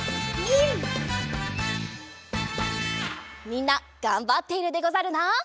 みんながんばっているでござるな。